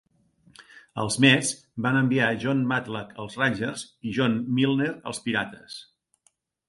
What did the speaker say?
Els Mets van enviar a Jon Matlack als Rangers i John Milner als Pirates.